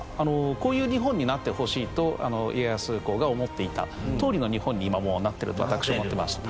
こういう日本になってほしいと家康公が思っていたとおりの日本に今もうなってると私は思ってます。